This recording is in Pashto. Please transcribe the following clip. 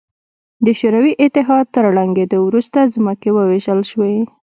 د شوروي اتحاد تر ړنګېدو وروسته ځمکې ووېشل شوې.